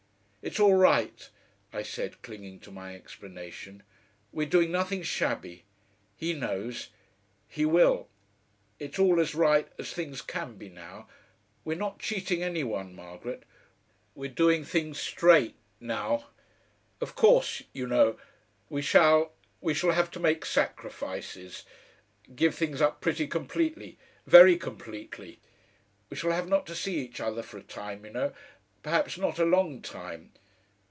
"It's all right," I said, clinging to my explanation. "We're doing nothing shabby. He knows. He will. It's all as right as things can be now. We're not cheating any one, Margaret. We're doing things straight now. Of course, you know.... We shall we shall have to make sacrifices. Give things up pretty completely. Very completely.... We shall have not to see each other for a time, you know. Perhaps not a long time.